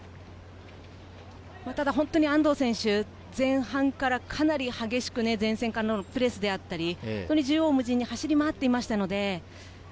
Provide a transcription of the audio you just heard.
ただ本当に安藤選手、前半からかなり激しくプレスであったり、縦横無尽に走り回っていました。